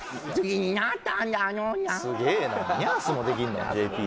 ニャースもできんの？